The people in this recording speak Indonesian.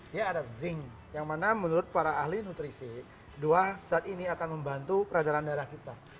dia ada zinc yang mana menurut para ahli nutrisi dua saat ini akan membantu peredaran darah kita